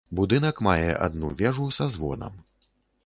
Будынак мае адну вежу са звонам.